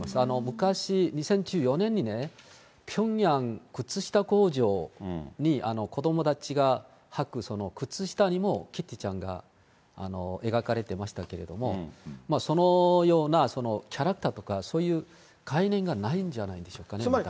昔、２０１４年にピョンヤン靴下工場に、子どもたちがはく靴下にもキティちゃんが描かれてましたけれども、そのようなキャラクターとかそういう概念がないんじゃないでしょうかね、まだ。